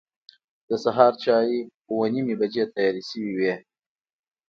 د سهار چای اوه نیمې بجې تیار شوی و.